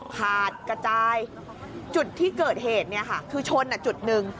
ขาดกระจายจุดที่เกิดเหตุเนี่ยค่ะคือชนจุดหนึ่ง